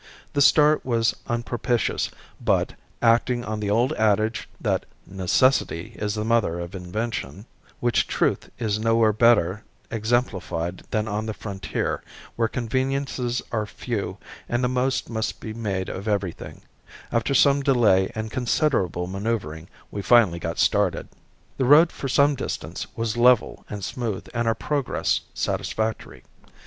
The start was unpropitious, but, acting on the old adage that "necessity is the mother of invention," which truth is nowhere better exemplified than on the frontier where conveniences are few and the most must be made of everything, after some delay and considerable maneuvering we finally got started. The road for some distance out was level and smooth and our progress satisfactory.